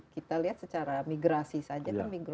kita lihat secara migrasi saja kan minggu